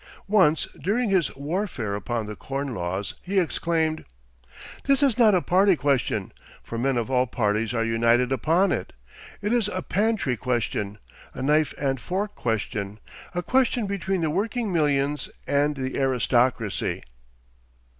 Once, during his warfare upon the Corn Laws, he exclaimed: "This is not a party question, for men of all parties are united upon it. It is a pantry question a knife and fork question a question between the working millions and the aristocracy."